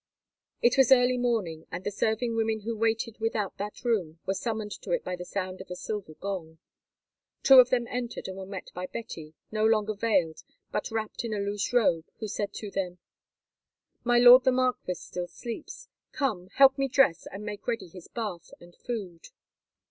It was early morning, and the serving women who waited without that room were summoned to it by the sound of a silver gong. Two of them entered and were met by Betty, no longer veiled, but wrapped in a loose robe, who said to them: "My lord the marquis still sleeps. Come, help me dress and make ready his bath and food."